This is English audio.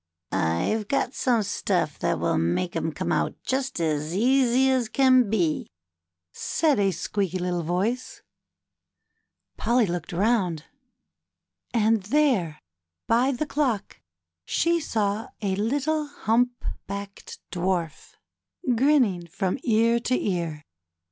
'' I've got some stuff that will make 'em come out just as easy as can be," said a little squeaky voice. Polly looked round, and there, by the clock, she saw a little humpbacked Dwarf grinning from ear to ear.